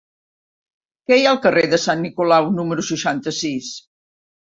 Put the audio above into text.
Què hi ha al carrer de Sant Nicolau número seixanta-sis?